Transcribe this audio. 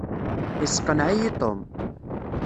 Yesseqneɛ-iyi Tom.